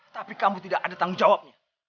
tapi kamu tidak ada tanggung jawabnya